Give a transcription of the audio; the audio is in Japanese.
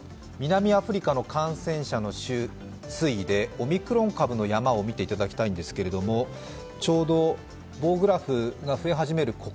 南アフリカの感染者の推移でオミクロン株の山を見ていただきたいんですけれども、ちょうど、棒グラフが増え始める